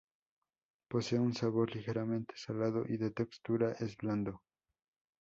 Posee un sabor ligeramente salado, y de textura es blando.